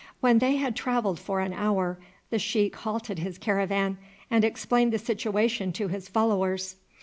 When they had travelled for an hour the sheik halted his caravan and explained the situation to his followers.